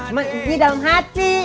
cuma ini dalam hati